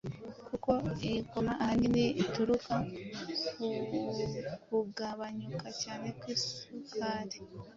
kuko iyi coma ahanini ituruka ku kugabanyuka cyane kw’isukari